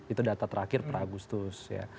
itu data terakhir per agustus ya